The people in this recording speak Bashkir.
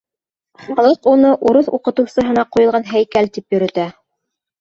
Халыҡ уны урыҫ уҡытыусыһына ҡуйылған һәйкәл тип йөрөтә.